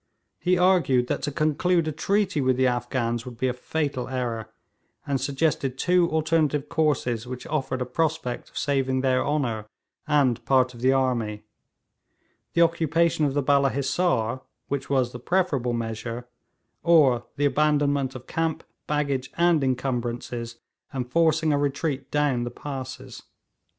He argued that to conclude a treaty with the Afghans would be a fatal error, and suggested two alternative courses which offered a prospect of saving their honour and part of the army the occupation of the Balla Hissar, which was the preferable measure, or the abandonment of camp, baggage, and encumbrances, and forcing a retreat down the passes.